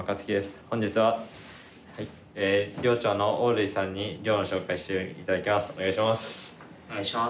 本日は、はい、寮長の大類さんに寮の紹介をしていただきます。